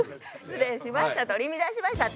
失礼しました。